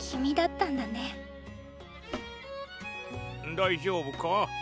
大丈夫か？